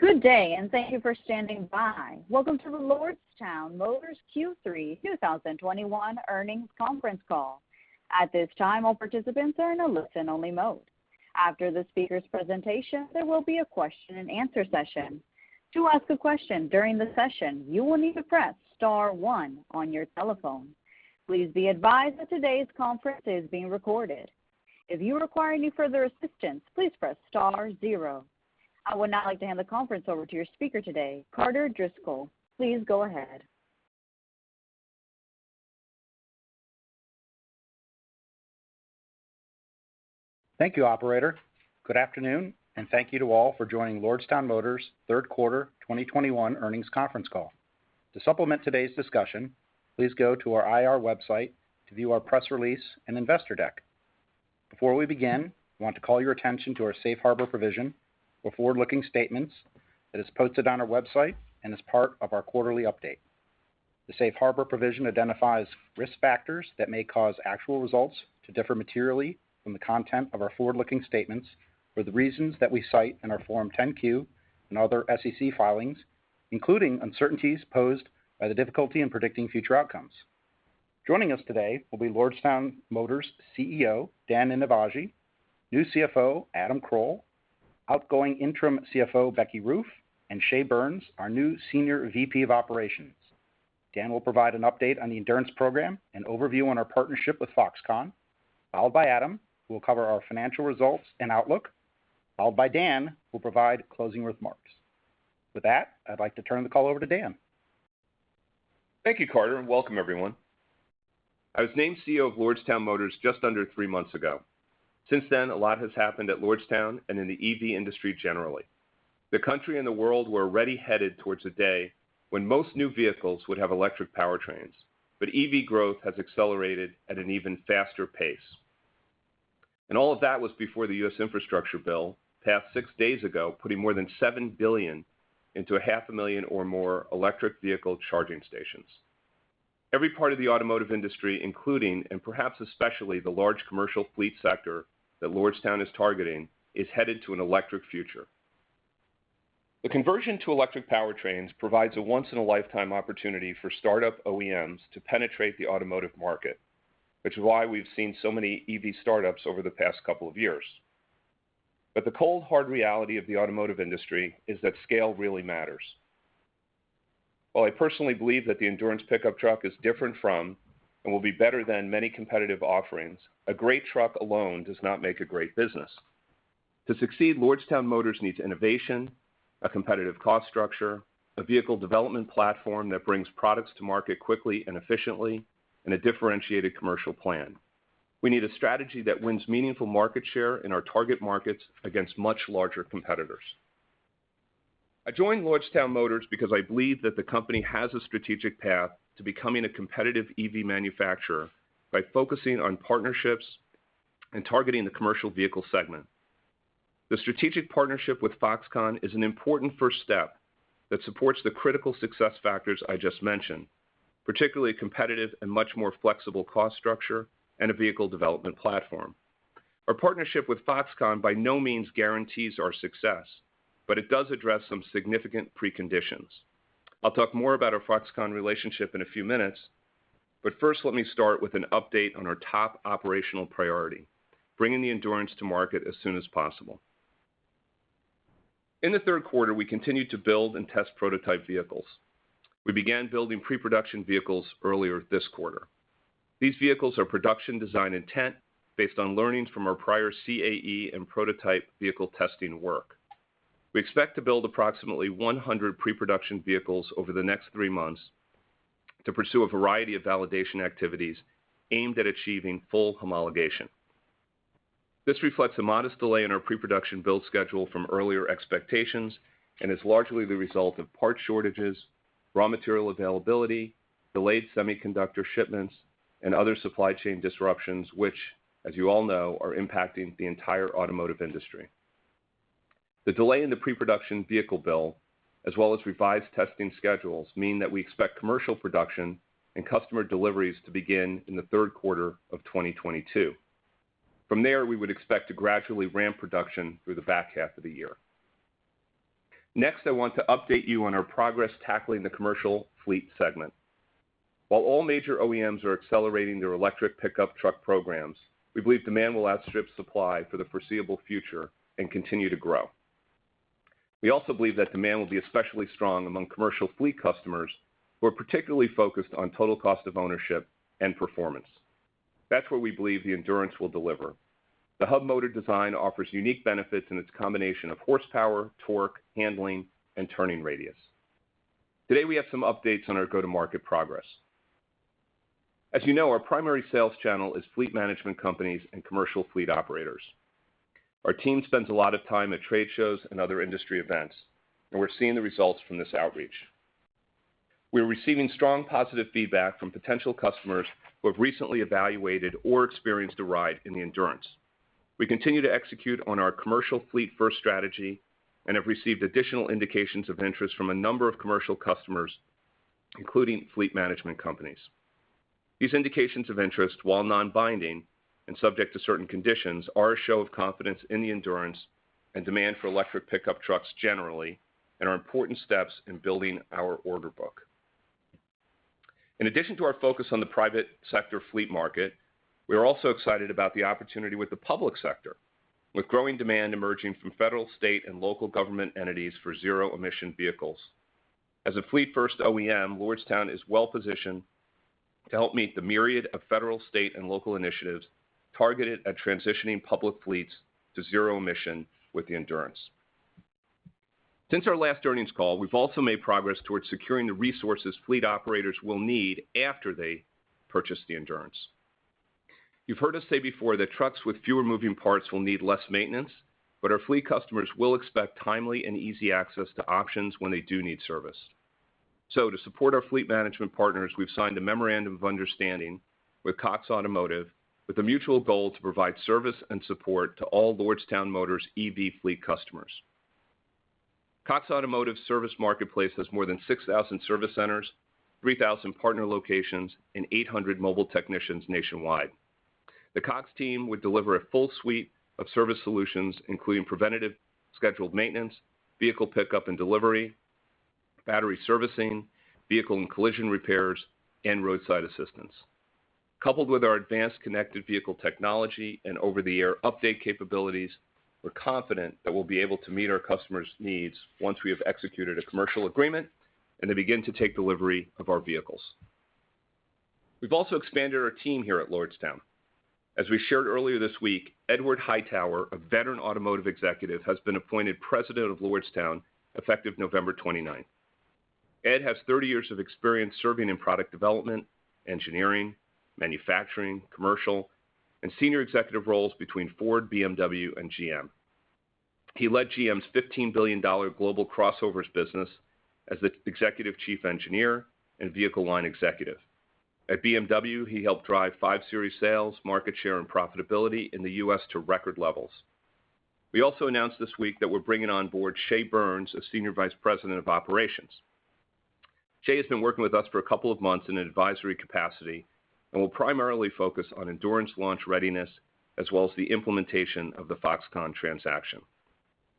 Good day, and thank you for standing by. Welcome to the Lordstown Motors Q3 2021 earnings conference call. At this time, all participants are in a listen-only mode. After the speaker's presentation, there will be a question and answer session. To ask a question during the session, you will need to press star one on your telephone. Please be advised that today's conference is being recorded. If you require any further assistance, please press star zero. I would now like to hand the conference over to your speaker today, Carter Driscoll. Please go ahead. Thank you, operator. Good afternoon, and thank you to all for joining Lordstown Motors third quarter 2021 earnings conference call. To supplement today's discussion, please go to our IR website to view our press release and investor deck. Before we begin, I want to call your attention to our safe harbor provision for forward-looking statements that is posted on our website and is part of our quarterly update. The safe harbor provision identifies risk factors that may cause actual results to differ materially from the content of our forward-looking statements for the reasons that we cite in our Form 10-Q and other SEC filings, including uncertainties posed by the difficulty in predicting future outcomes. Joining us today will be Lordstown Motors CEO Dan Ninivaggi, new CFO Adam Kroll, outgoing interim CFO Becky Roof, and Shea Burns, our new Senior VP of Operations. Dan will provide an update on the Endurance program and overview on our partnership with Foxconn, followed by Adam, who will cover our financial results and outlook, followed by Dan, who will provide closing remarks. With that, I'd like to turn the call over to Dan. Thank you, Carter, and welcome everyone. I was named CEO of Lordstown Motors just under three months ago. Since then, a lot has happened at Lordstown and in the EV industry generally. The country and the world were already headed towards a day when most new vehicles would have electric powertrains, but EV growth has accelerated at an even faster pace. All of that was before the U.S. infrastructure bill passed six days ago, putting more than $7 billion into a half a million or more electric vehicle charging stations. Every part of the automotive industry, including and perhaps especially the large commercial fleet sector that Lordstown is targeting, is headed to an electric future. The conversion to electric powertrains provides a once in a lifetime opportunity for startup OEMs to penetrate the automotive market, which is why we've seen so many EV startups over the past couple of years. The cold, hard reality of the automotive industry is that scale really matters. While I personally believe that the Endurance pickup truck is different from and will be better than many competitive offerings, a great truck alone does not make a great business. To succeed, Lordstown Motors needs innovation, a competitive cost structure, a vehicle development platform that brings products to market quickly and efficiently, and a differentiated commercial plan. We need a strategy that wins meaningful market share in our target markets against much larger competitors. I joined Lordstown Motors because I believe that the company has a strategic path to becoming a competitive EV manufacturer by focusing on partnerships and targeting the commercial vehicle segment. The strategic partnership with Foxconn is an important first step that supports the critical success factors I just mentioned, particularly competitive and much more flexible cost structure and a vehicle development platform. Our partnership with Foxconn by no means guarantees our success, but it does address some significant preconditions. I'll talk more about our Foxconn relationship in a few minutes, but first let me start with an update on our top operational priority, bringing the Endurance to market as soon as possible. In the third quarter, we continued to build and test prototype vehicles. We began building pre-production vehicles earlier this quarter. These vehicles are production design intent based on learnings from our prior CAE and prototype vehicle testing work. We expect to build approximately 100 pre-production vehicles over the next three months to pursue a variety of validation activities aimed at achieving full homologation. This reflects a modest delay in our pre-production build schedule from earlier expectations and is largely the result of part shortages, raw material availability, delayed semiconductor shipments, and other supply chain disruptions, which as you all know, are impacting the entire automotive industry. The delay in the pre-production vehicle build, as well as revised testing schedules, mean that we expect commercial production and customer deliveries to begin in the third quarter of 2022. From there, we would expect to gradually ramp production through the back half of the year. Next, I want to update you on our progress tackling the commercial fleet segment. While all major OEMs are accelerating their electric pickup truck programs, we believe demand will outstrip supply for the foreseeable future and continue to grow. We also believe that demand will be especially strong among commercial fleet customers who are particularly focused on total cost of ownership and performance. That's where we believe the Endurance will deliver. The hub motor design offers unique benefits in its combination of horsepower, torque, handling, and turning radius. Today, we have some updates on our go-to-market progress. As you know, our primary sales channel is fleet management companies and commercial fleet operators. Our team spends a lot of time at trade shows and other industry events, and we're seeing the results from this outreach. We're receiving strong positive feedback from potential customers who have recently evaluated or experienced a ride in the Endurance. We continue to execute on our commercial fleet first strategy and have received additional indications of interest from a number of commercial customers, including fleet management companies. These indications of interest, while non-binding and subject to certain conditions, are a show of confidence in the Endurance and demand for electric pickup trucks generally, and are important steps in building our order book. In addition to our focus on the private sector fleet market, we are also excited about the opportunity with the public sector, with growing demand emerging from federal, state, and local government entities for zero-emission vehicles. As a fleet-first OEM, Lordstown is well-positioned to help meet the myriad of federal, state, and local initiatives targeted at transitioning public fleets to zero-emission with the Endurance. Since our last earnings call, we've also made progress towards securing the resources fleet operators will need after they purchase the Endurance. You've heard us say before that trucks with fewer moving parts will need less maintenance, but our fleet customers will expect timely and easy access to options when they do need service. To support our fleet management partners, we've signed a memorandum of understanding with Cox Automotive with a mutual goal to provide service and support to all Lordstown Motors EV fleet customers. Cox Automotive Service Marketplace has more than 6,000 service centers, 3,000 partner locations, and 800 mobile technicians nationwide. The Cox team would deliver a full suite of service solutions, including preventative scheduled maintenance, vehicle pickup and delivery, battery servicing, vehicle and collision repairs, and roadside assistance. Coupled with our advanced connected vehicle technology and over-the-air update capabilities, we're confident that we'll be able to meet our customers' needs once we have executed a commercial agreement and they begin to take delivery of our vehicles. We've also expanded our team here at Lordstown. As we shared earlier this week, Edward Hightower, a veteran automotive executive, has been appointed President of Lordstown, effective November 29th. Ed has 30 years of experience serving in product development, engineering, manufacturing, commercial, and senior executive roles between Ford, BMW, and GM. He led GM's $15 billion global crossovers business as the Executive Chief Engineer and Vehicle Line Executive. At BMW, he helped drive 5 Series sales, market share, and profitability in the U.S. to record levels. We also announced this week that we're bringing on board Shea Burns as Senior Vice President of Operations. Shea has been working with us for a couple of months in an advisory capacity and will primarily focus on Endurance launch readiness as well as the implementation of the Foxconn transaction.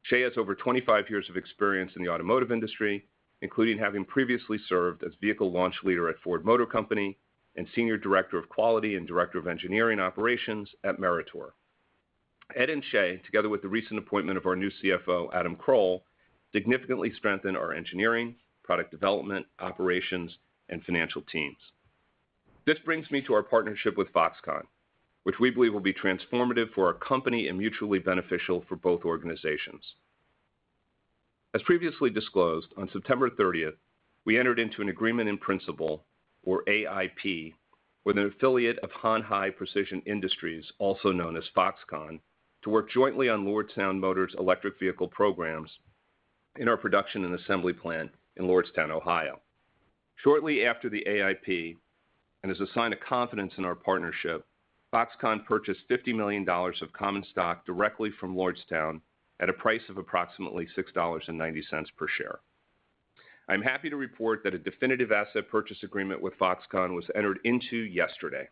Shea has over 25 years of experience in the automotive industry, including having previously served as Vehicle Launch Leader at Ford Motor Company and Senior Director of Quality and Director of Engineering Operations at Meritor. Ed and Shea, together with the recent appointment of our new CFO, Adam Kroll, significantly strengthen our engineering, product development, operations, and financial teams. This brings me to our partnership with Foxconn, which we believe will be transformative for our company and mutually beneficial for both organizations. As previously disclosed, on September 30, we entered into an agreement in principle, or AIP, with an affiliate of Hon Hai Precision Industries, also known as Foxconn, to work jointly on Lordstown Motors electric vehicle programs in our production and assembly plant in Lordstown, Ohio. Shortly after the AIP, as a sign of confidence in our partnership, Foxconn purchased $50 million of common stock directly from Lordstown at a price of approximately $6.90 per share. I'm happy to report that a definitive asset purchase agreement with Foxconn was entered into yesterday.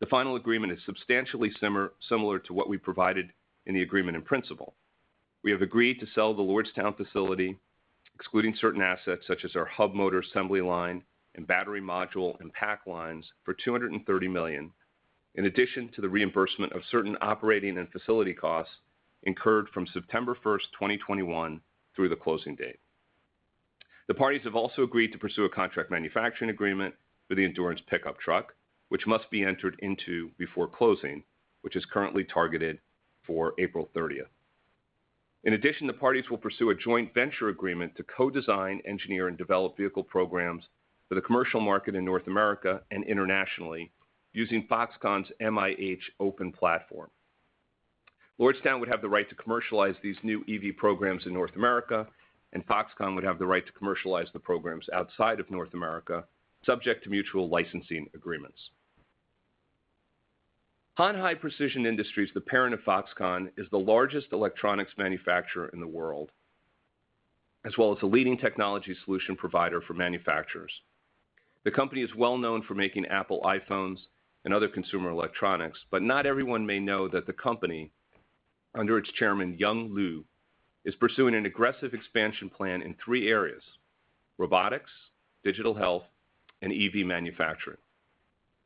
The final agreement is substantially similar to what we provided in the agreement in principle. We have agreed to sell the Lordstown facility, excluding certain assets such as our hub motor assembly line and battery module and pack lines, for $230 million, in addition to the reimbursement of certain operating and facility costs incurred from September 1, 2021 through the closing date. The parties have also agreed to pursue a contract manufacturing agreement for the Endurance pickup truck, which must be entered into before closing, which is currently targeted for April 30. The parties will pursue a joint venture agreement to co-design, engineer, and develop vehicle programs for the commercial market in North America and internationally using Foxconn's MIH open platform. Lordstown would have the right to commercialize these new EV programs in North America, and Foxconn would have the right to commercialize the programs outside of North America, subject to mutual licensing agreements. Hon Hai Precision Industries, the parent of Foxconn, is the largest electronics manufacturer in the world, as well as a leading technology solution provider for manufacturers. The company is well known for making Apple iPhones and other consumer electronics, but not everyone may know that the company, under its chairman, Young Liu, is pursuing an aggressive expansion plan in three areas: robotics, digital health, and EV manufacturing.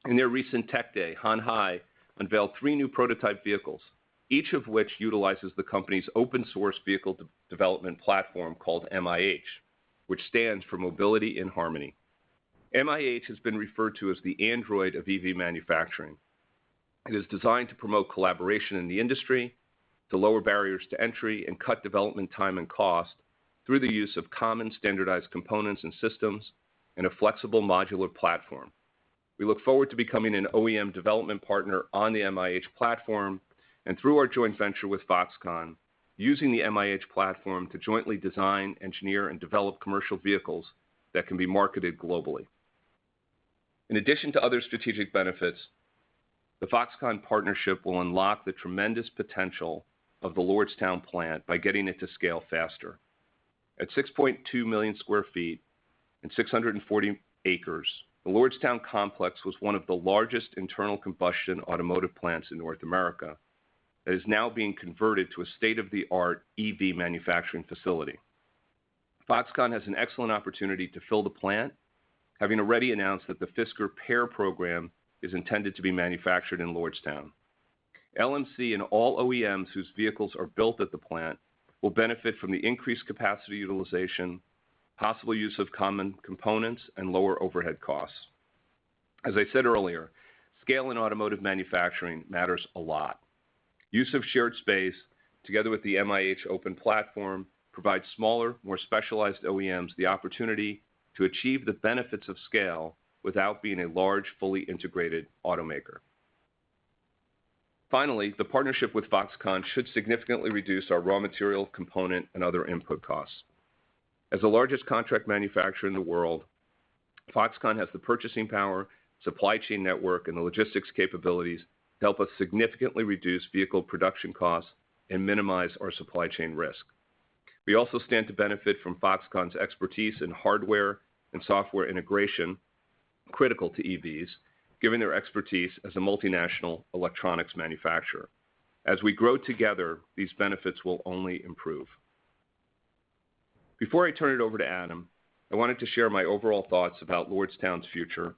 In their recent Tech Day, Hon Hai unveiled three new prototype vehicles, each of which utilizes the company's open source vehicle development platform called MIH, which stands for Mobility in Harmony. MIH has been referred to as the Android of EV manufacturing. It is designed to promote collaboration in the industry, to lower barriers to entry, and cut development time and cost through the use of common standardized components and systems in a flexible modular platform. We look forward to becoming an OEM development partner on the MIH platform and through our joint venture with Foxconn, using the MIH platform to jointly design, engineer, and develop commercial vehicles that can be marketed globally. In addition to other strategic benefits. The Foxconn partnership will unlock the tremendous potential of the Lordstown plant by getting it to scale faster. At 6.2 million sq ft and 640 acres, the Lordstown complex was one of the largest internal combustion automotive plants in North America that is now being converted to a state-of-the-art EV manufacturing facility. Foxconn has an excellent opportunity to fill the plant, having already announced that the Fisker PEAR program is intended to be manufactured in Lordstown. LMC and all OEMs whose vehicles are built at the plant will benefit from the increased capacity utilization, possible use of common components and lower overhead costs. As I said earlier, scale in automotive manufacturing matters a lot. Use of shared space together with the MIH open platform provides smaller, more specialized OEMs the opportunity to achieve the benefits of scale without being a large, fully integrated automaker. Finally, the partnership with Foxconn should significantly reduce our raw material component and other input costs. As the largest contract manufacturer in the world, Foxconn has the purchasing power, supply chain network and the logistics capabilities to help us significantly reduce vehicle production costs and minimize our supply chain risk. We also stand to benefit from Foxconn's expertise in hardware and software integration critical to EVs, given their expertise as a multinational electronics manufacturer. As we grow together, these benefits will only improve. Before I turn it over to Adam, I wanted to share my overall thoughts about Lordstown's future.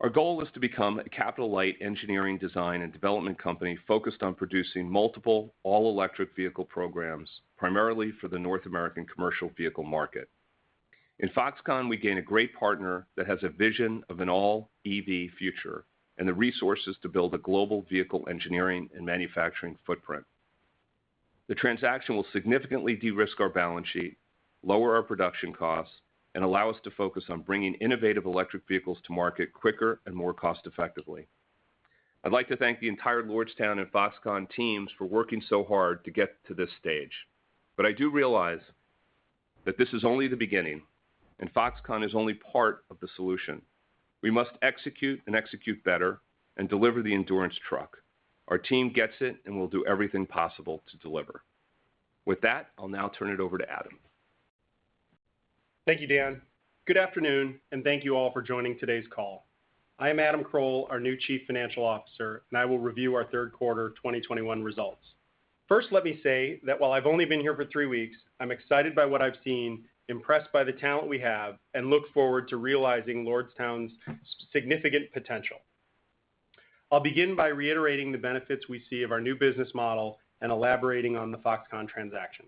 Our goal is to become a capital-light engineering design and development company focused on producing multiple all-electric vehicle programs, primarily for the North American commercial vehicle market. In Foxconn, we gain a great partner that has a vision of an all-EV future and the resources to build a global vehicle engineering and manufacturing footprint. The transaction will significantly de-risk our balance sheet, lower our production costs, and allow us to focus on bringing innovative electric vehicles to market quicker and more cost effectively. I'd like to thank the entire Lordstown and Foxconn teams for working so hard to get to this stage. I do realize that this is only the beginning, and Foxconn is only part of the solution. We must execute and execute better and deliver the Endurance truck. Our team gets it, and we'll do everything possible to deliver. With that, I'll now turn it over to Adam. Thank you, Dan. Good afternoon, and thank you all for joining today's call. I am Adam Kroll, our new Chief Financial Officer, and I will review our third quarter 2021 results. First, let me say that while I've only been here for three weeks, I'm excited by what I've seen, impressed by the talent we have, and look forward to realizing Lordstown's significant potential. I'll begin by reiterating the benefits we see of our new business model and elaborating on the Foxconn transaction.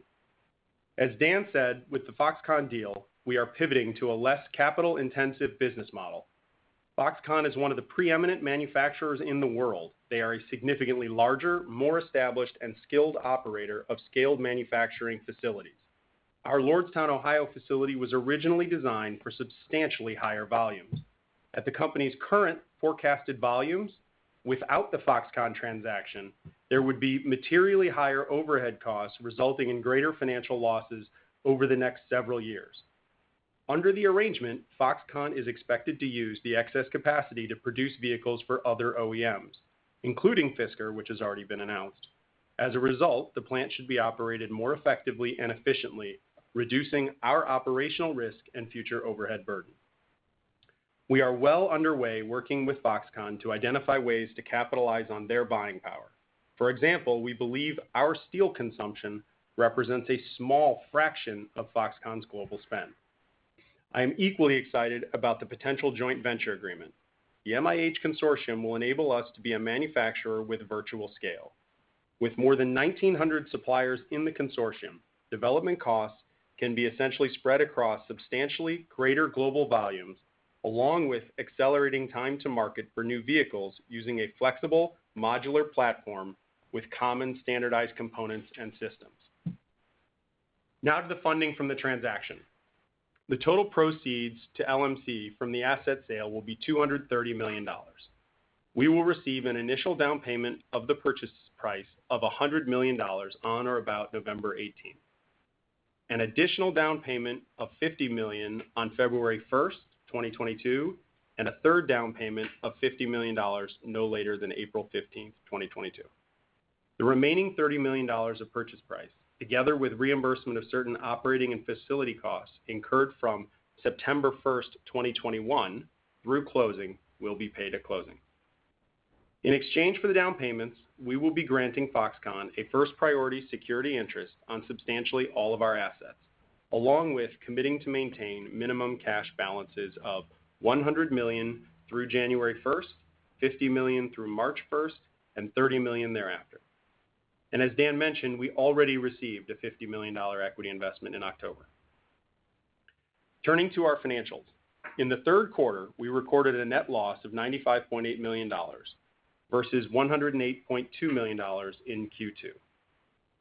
As Dan said, with the Foxconn deal, we are pivoting to a less capital-intensive business model. Foxconn is one of the preeminent manufacturers in the world. They are a significantly larger, more established and skilled operator of scaled manufacturing facilities. Our Lordstown, Ohio facility was originally designed for substantially higher volumes. At the company's current forecasted volumes without the Foxconn transaction, there would be materially higher overhead costs resulting in greater financial losses over the next several years. Under the arrangement, Foxconn is expected to use the excess capacity to produce vehicles for other OEMs, including Fisker, which has already been announced. As a result, the plant should be operated more effectively and efficiently, reducing our operational risk and future overhead burden. We are well underway working with Foxconn to identify ways to capitalize on their buying power. For example, we believe our steel consumption represents a small fraction of Foxconn's global spend. I am equally excited about the potential joint venture agreement. The MIH consortium will enable us to be a manufacturer with virtual scale. With more than 1,900 suppliers in the consortium, development costs can be essentially spread across substantially greater global volumes, along with accelerating time to market for new vehicles using a flexible modular platform with common standardized components and systems. Now to the funding from the transaction. The total proceeds to LMC from the asset sale will be $230 million. We will receive an initial down payment of the purchase price of $100 million on or about November 18. An additional down payment of $50 million on February 1, 2022, and a third down payment of $50 million no later than April 15, 2022. The remaining $30 million of purchase price, together with reimbursement of certain operating and facility costs incurred from September 1, 2021 through closing, will be paid at closing. In exchange for the down payments, we will be granting Foxconn a first priority security interest on substantially all of our assets, along with committing to maintain minimum cash balances of $100 million through January first, $50 million through March first, and $30 million thereafter. As Dan mentioned, we already received a $50 million equity investment in October. Turning to our financials. In the third quarter, we recorded a net loss of $95.8 million versus $108.2 million in Q2.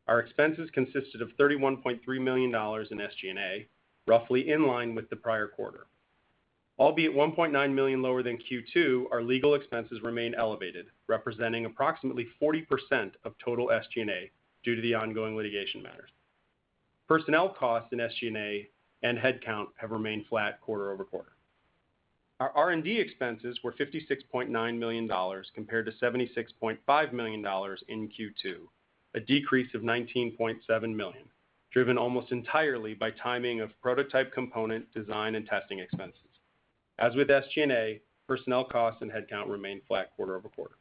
Our expenses consisted of $31.3 million in SG&A, roughly in line with the prior quarter. Albeit $1.9 million lower than Q2, our legal expenses remain elevated, representing approximately 40% of total SG&A due to the ongoing litigation matters. Personnel costs in SG&A and headcount have remained flat quarter over quarter. Our R&D expenses were $56.9 million compared to $76.5 million in Q2, a decrease of $19.7 million, driven almost entirely by timing of prototype component design and testing expenses. As with SG&A, personnel costs and headcount remained flat quarter over quarter.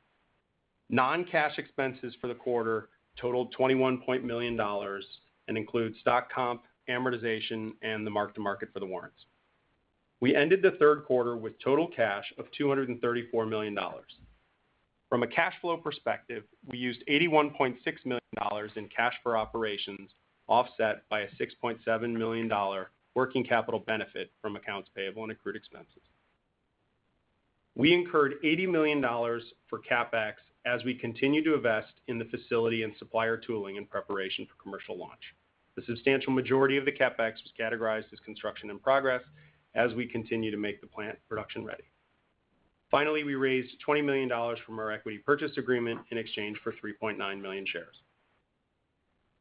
Non-cash expenses for the quarter totaled $21 million and includes stock comp, amortization, and the mark-to-market for the warrants. We ended the third quarter with total cash of $234 million. From a cash flow perspective, we used $81.6 million in cash for operations, offset by a $6.7 million working capital benefit from accounts payable and accrued expenses. We incurred $80 million for CapEx as we continue to invest in the facility and supplier tooling in preparation for commercial launch. The substantial majority of the CapEx was categorized as construction in progress as we continue to make the plant production ready. Finally, we raised $20 million from our equity purchase agreement in exchange for 3.9 million shares.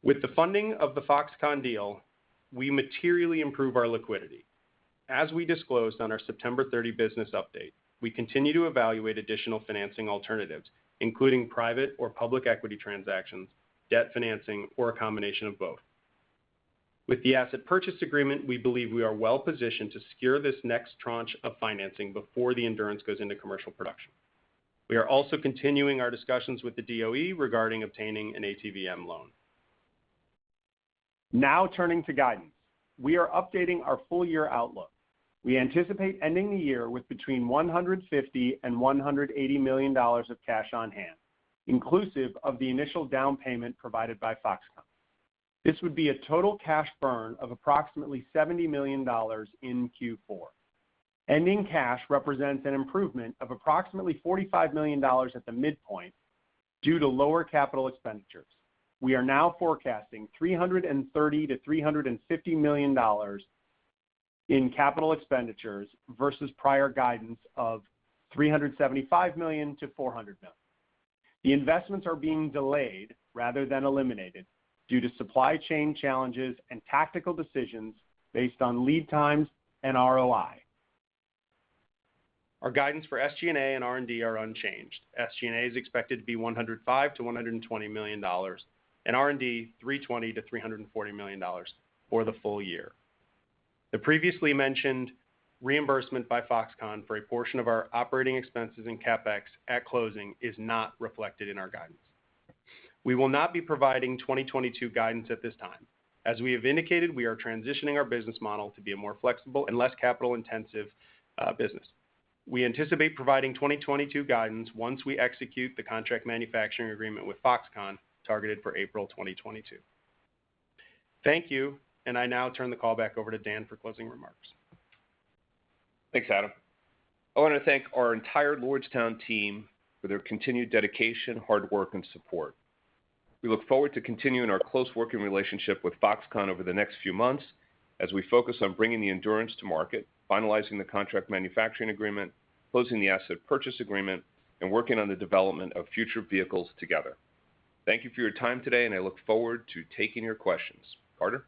With the funding of the Foxconn deal, we materially improve our liquidity. As we disclosed on our September 30 business update, we continue to evaluate additional financing alternatives, including private or public equity transactions, debt financing, or a combination of both. With the asset purchase agreement, we believe we are well-positioned to secure this next tranche of financing before the Endurance goes into commercial production. We are also continuing our discussions with the DOE regarding obtaining an ATVM loan. Now, turning to guidance. We are updating our full year outlook. We anticipate ending the year with between $150 million and $180 million of cash on hand, inclusive of the initial down payment provided by Foxconn. This would be a total cash burn of approximately $70 million in Q4. Ending cash represents an improvement of approximately $45 million at the midpoint due to lower capital expenditures. We are now forecasting $330 million-$350 million in capital expenditures versus prior guidance of $375 million-$400 million. The investments are being delayed rather than eliminated due to supply chain challenges and tactical decisions based on lead times and ROI. Our guidance for SG&A and R&D are unchanged. SG&A is expected to be $105 million-$120 million, and R&D, $320 million-$340 million for the full year. The previously mentioned reimbursement by Foxconn for a portion of our operating expenses in CapEx at closing is not reflected in our guidance. We will not be providing 2022 guidance at this time. As we have indicated, we are transitioning our business model to be a more flexible and less capital-intensive business. We anticipate providing 2022 guidance once we execute the contract manufacturing agreement with Foxconn, targeted for April 2022. Thank you, and I now turn the call back over to Dan for closing remarks. Thanks, Adam. I wanna thank our entire Lordstown team for their continued dedication, hard work, and support. We look forward to continuing our close working relationship with Foxconn over the next few months as we focus on bringing the Endurance to market, finalizing the contract manufacturing agreement, closing the asset purchase agreement, and working on the development of future vehicles together. Thank you for your time today, and I look forward to taking your questions. Carter?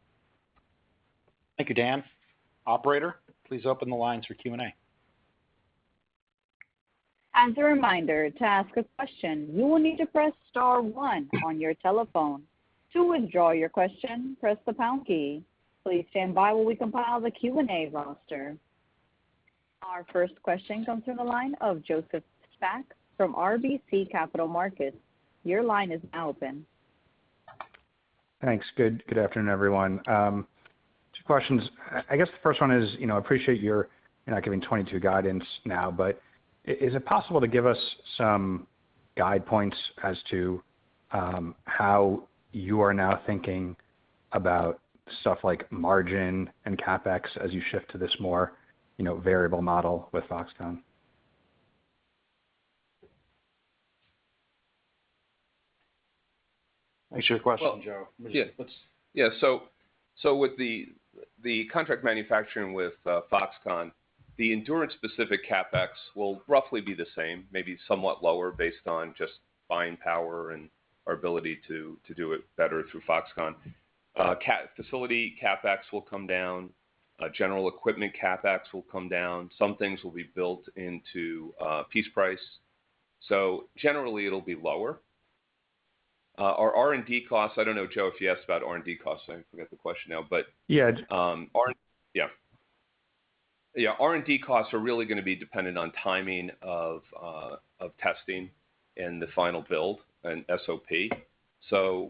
Thank you, Dan. Operator, please open the lines for Q&A. As a reminder, to ask a question, you will need to press star one on your telephone. To withdraw your question, press the pound key. Please stand by while we compile the Q&A roster. Our first question comes through the line of Joseph Spak from RBC Capital Markets. Your line is now open. Thanks. Good afternoon, everyone. Two questions. I guess the first one is, you know, appreciate that you're not giving 2022 guidance now, but is it possible to give us some guide points as to how you are now thinking about stuff like margin and CapEx as you shift to this more, you know, variable model with Foxconn? Thanks for your question, Joe. Well- Let's- Yeah. Let's. With the contract manufacturing with Foxconn, the Endurance-specific CapEx will roughly be the same, maybe somewhat lower based on just buying power and our ability to do it better through Foxconn. Facility CapEx will come down. General equipment CapEx will come down. Some things will be built into piece price. Generally, it'll be lower. Our R&D costs, I don't know, Joe, if you asked about R&D costs. I forget the question now. But Yeah R&D costs are really gonna be dependent on timing of testing and the final build and SOP.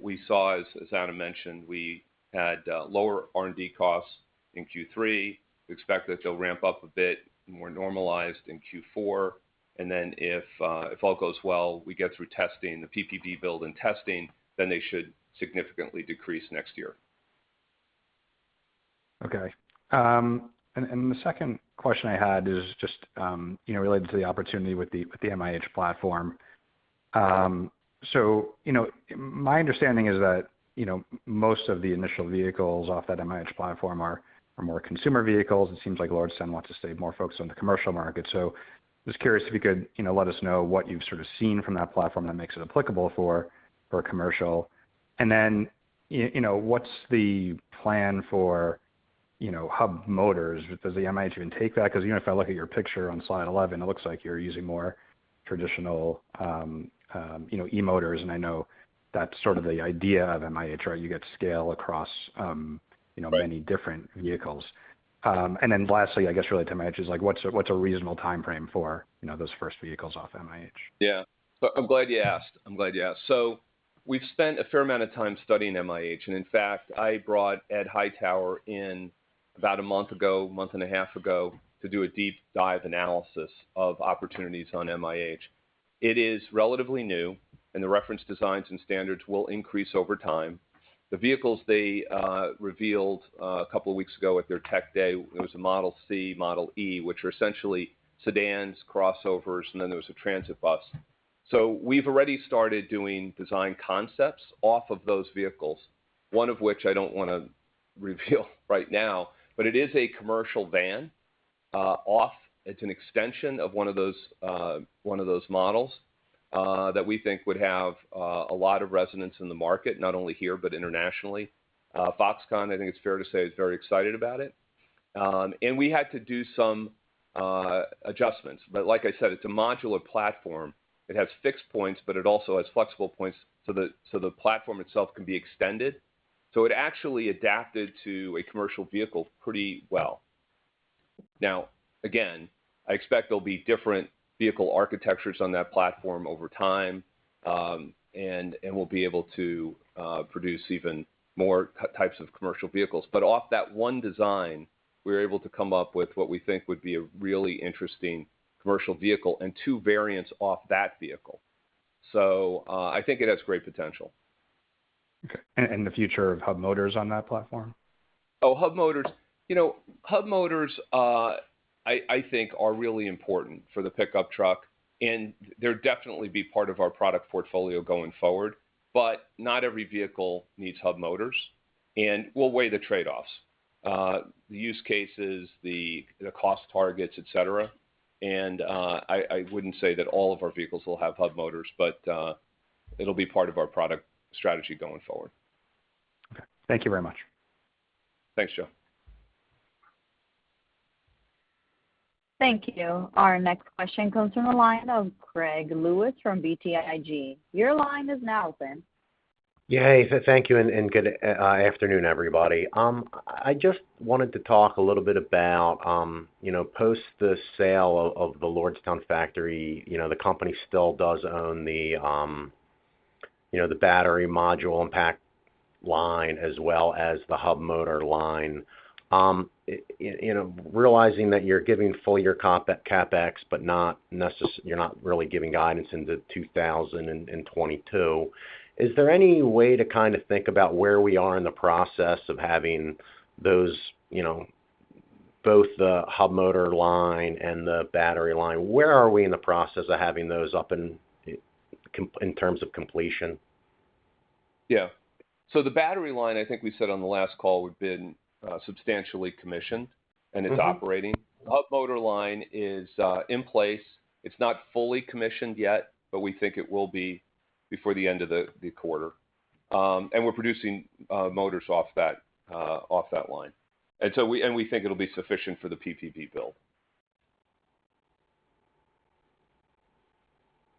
We saw, as Adam mentioned, we had lower R&D costs in Q3. We expect that they'll ramp up a bit more normalized in Q4. If all goes well, we get through testing, the PPV build and testing, then they should significantly decrease next year. Okay. The second question I had is just, you know, related to the opportunity with the MIH platform. My understanding is that, you know, most of the initial vehicles off that MIH platform are more consumer vehicles. It seems like Lordstown wants to stay more focused on the commercial market. Just curious if you could, you know, let us know what you've sort of seen from that platform that makes it applicable for commercial. Then, you know, what's the plan for, you know, hub motors. Does the MIH even take that? Because even if I look at your picture on slide 11, it looks like you're using more traditional, you know, e-motors. I know that's sort of the idea of MIH, right? You get to scale across, you know. Right... many different vehicles. Lastly, I guess related to MIH is like what's a reasonable timeframe for, you know, those first vehicles off MIH? Yeah. I'm glad you asked. We've spent a fair amount of time studying MIH, and in fact, I brought Edward Hightower in about a month ago, a month and a half ago, to do a deep dive analysis of opportunities on MIH. It is relatively new, and the reference designs and standards will increase over time. The vehicles they revealed a couple weeks ago at their tech day, it was a Model C, Model E, which are essentially sedans, crossovers, and then there was a transit bus. We've already started doing design concepts off of those vehicles, one of which I don't wanna reveal right now, but it is a commercial van, off... It's an extension of one of those models that we think would have a lot of resonance in the market, not only here, but internationally. Foxconn, I think it's fair to say, is very excited about it. We had to do some adjustments. Like I said, it's a modular platform. It has fixed points, but it also has flexible points so the platform itself can be extended. It actually adapted to a commercial vehicle pretty well. Now, again, I expect there'll be different vehicle architectures on that platform over time, and we'll be able to produce even more types of commercial vehicles. Off that one design, we were able to come up with what we think would be a really interesting commercial vehicle and two variants off that vehicle. I think it has great potential. Okay. The future of hub motors on that platform? Oh, hub motors. You know, hub motors, I think are really important for the pickup truck, and they'll definitely be part of our product portfolio going forward. But not every vehicle needs hub motors, and we'll weigh the trade-offs, the use cases, the cost targets, et cetera. I wouldn't say that all of our vehicles will have hub motors, but it'll be part of our product strategy going forward. Okay. Thank you very much. Thanks, Joe. Thank you. Our next question comes from the line of Greg Lewis from BTIG. Your line is now open. Yeah. Hey, thank you, and good afternoon, everybody. I just wanted to talk a little bit about, you know, post the sale of the Lordstown factory. You know, the company still does own the battery module and pack line as well as the hub motor line. You know, realizing that you're giving full year comp at CapEx, but you're not really giving guidance into 2022, is there any way to kind of think about where we are in the process of having those, you know, both the hub motor line and the battery line? Where are we in the process of having those up and in terms of completion? Yeah. The battery line, I think we said on the last call, we've been substantially commissioned. Mm-hmm It's operating. Hub motor line is in place. It's not fully commissioned yet, but we think it will be before the end of the quarter. We're producing motors off that line. We think it'll be sufficient for the PPP bill.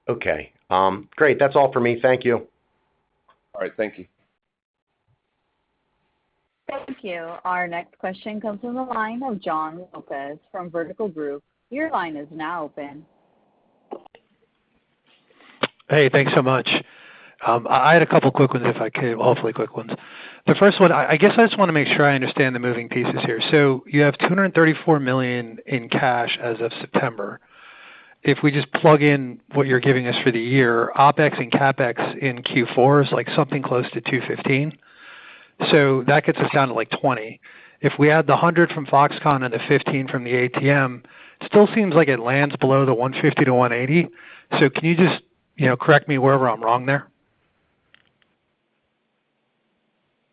Okay. Great. That's all for me. Thank you. All right. Thank you. Thank you. Our next question comes from the line of Jon Lopez from Vertical Group. Your line is now open. Hey, thanks so much. I had a couple quick ones if I could, hopefully quick ones. The first one, I guess I just wanna make sure I understand the moving pieces here. You have $234 million in cash as of September. If we just plug in what you're giving us for the year, OpEx and CapEx in Q4 is, like, something close to $215. That gets us down to, like, $20. If we add the $100 from Foxconn and the $15 from the ATM, still seems like it lands below the $150-$180. Can you just, you know, correct me wherever I'm wrong there?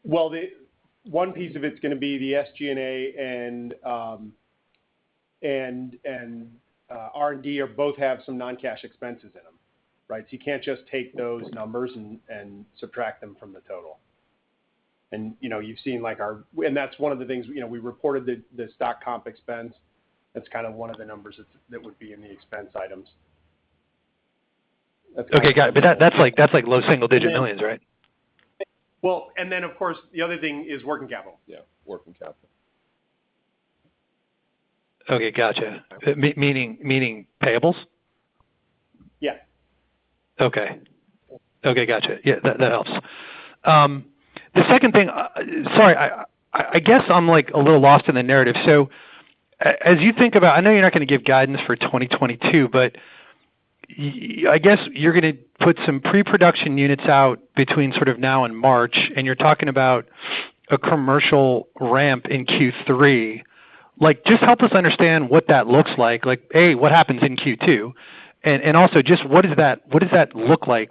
Well, one piece of it's gonna be the SG&A and R&D are both have some non-cash expenses in them, right? You can't just take those numbers and subtract them from the total. You know, you've seen like our. That's one of the things, you know, we reported the stock comp expense. That's kind of one of the numbers that would be in the expense items. Okay. Got it. That's like $ low single-digit millions, right? Well, of course, the other thing is working capital. Yeah, working capital. Okay. Gotcha. Yeah. Meaning payables? Yeah. Okay. Gotcha. Yeah, that helps. The second thing, sorry, I guess I'm like a little lost in the narrative. As you think about, I know you're not gonna give guidance for 2022, but I guess you're gonna put some pre-production units out between sort of now and March, and you're talking about a commercial ramp in Q3. Like, just help us understand what that looks like. Like, A, what happens in Q2? And also just what does that look like?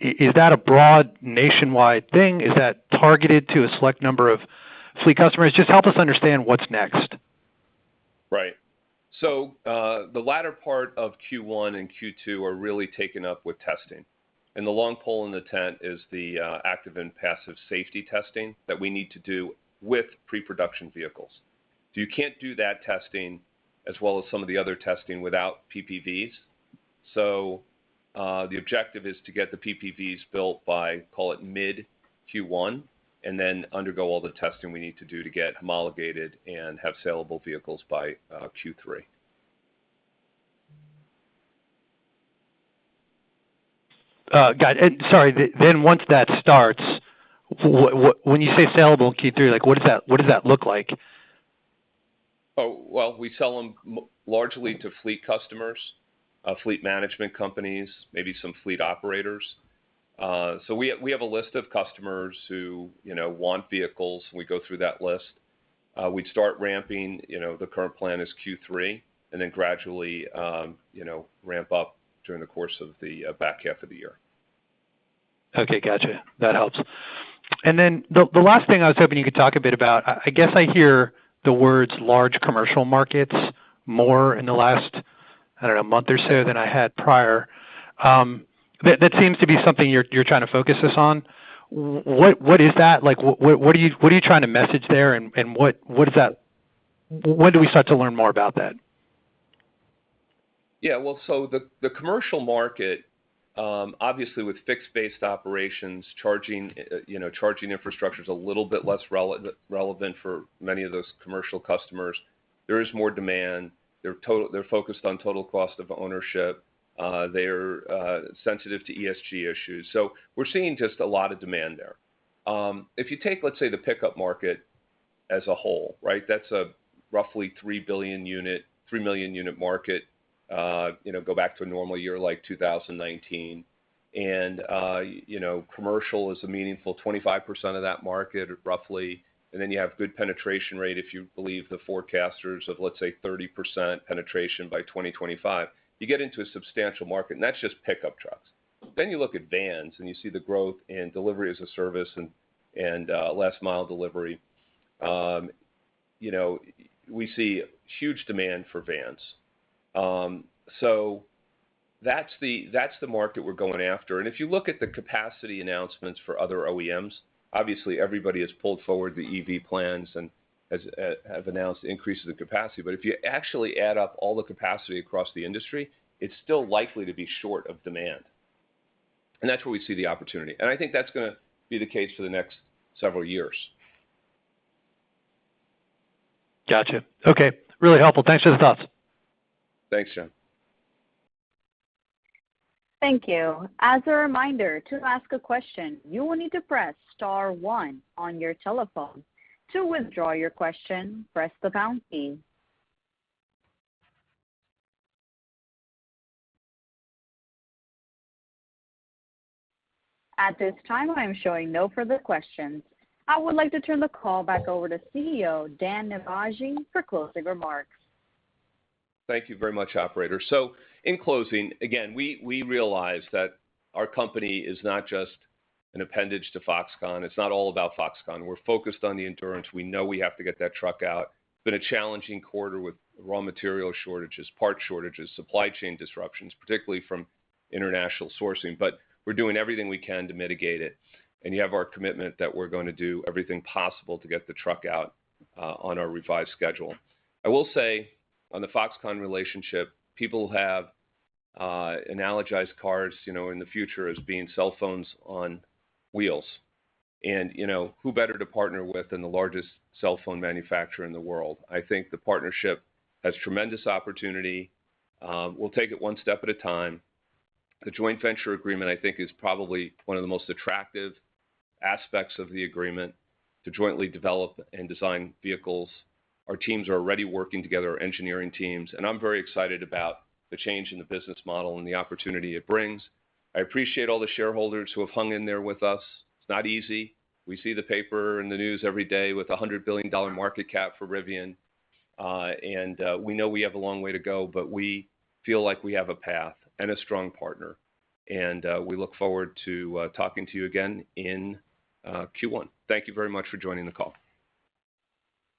Is that a broad nationwide thing? Is that targeted to a select number of fleet customers? Just help us understand what's next. Right. The latter part of Q1 and Q2 are really taken up with testing. The long pole in the tent is the active and passive safety testing that we need to do with pre-production vehicles. You can't do that testing as well as some of the other testing without PPVs. The objective is to get the PPVs built by, call it, mid Q1, and then undergo all the testing we need to do to get homologated and have sellable vehicles by Q3. Got it. Sorry. Once that starts, what? When you say sellable Q3, like what does that look like? Oh, well, we sell them largely to fleet customers, fleet management companies, maybe some fleet operators. We have a list of customers who, you know, want vehicles, and we go through that list. We'd start ramping, you know, the current plan is Q3, and then gradually, you know, ramp up during the course of the back half of the year. Okay. Gotcha. That helps. The last thing I was hoping you could talk a bit about, I guess I hear the words large commercial markets more in the last, I don't know, month or so than I had prior. That seems to be something you're trying to focus us on. What is that? Like what are you trying to message there and what does that? When do we start to learn more about that? Yeah. Well, the commercial market, obviously with fixed-based operations, charging, you know, charging infrastructure is a little bit less relevant for many of those commercial customers. There is more demand. They're focused on total cost of ownership. They're sensitive to ESG issues. We're seeing just a lot of demand there. If you take, let's say, the pickup market as a whole, right? That's a roughly 3 million unit market, you know, go back to a normal year like 2019. You know, commercial is a meaningful 25% of that market, roughly. Then you have good penetration rate if you believe the forecasters of, let's say, 30% penetration by 2025. You get into a substantial market, and that's just pickup trucks. You look at vans, and you see the growth in delivery as a service and last mile delivery. You know, we see huge demand for vans. So that's the market we're going after. If you look at the capacity announcements for other OEMs, obviously everybody has pulled forward the EV plans and have announced increases in capacity. If you actually add up all the capacity across the industry, it's still likely to be short of demand. That's where we see the opportunity. I think that's gonna be the case for the next several years. Gotcha. Okay. Really helpful. Thanks for the thoughts. Thanks, Jon. Thank you. As a reminder, to ask a question, you will need to press star one on your telephone. To withdraw your question, press the pound key. At this time, I am showing no further questions. I would like to turn the call back over to CEO Dan Ninivaggi for closing remarks. Thank you very much, operator. In closing, again, we realize that our company is not just an appendage to Foxconn. It's not all about Foxconn. We're focused on the Endurance. We know we have to get that truck out. It's been a challenging quarter with raw material shortages, part shortages, supply chain disruptions, particularly from international sourcing, but we're doing everything we can to mitigate it. You have our commitment that we're gonna do everything possible to get the truck out on our revised schedule. I will say on the Foxconn relationship, people have analogized cars, you know, in the future as being cell phones on wheels. You know, who better to partner with than the largest cell phone manufacturer in the world. I think the partnership has tremendous opportunity. We'll take it one step at a time. The joint venture agreement, I think, is probably one of the most attractive aspects of the agreement to jointly develop and design vehicles. Our teams are already working together, our engineering teams, and I'm very excited about the change in the business model and the opportunity it brings. I appreciate all the shareholders who have hung in there with us. It's not easy. We see the papers in the news every day with a $100 billion market cap for Rivian. We know we have a long way to go, but we feel like we have a path and a strong partner, and we look forward to talking to you again in Q1. Thank you very much for joining the call.